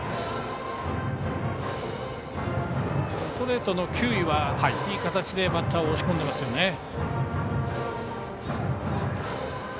ストレートの球威はいい感じでバッターを押し込んでいますね。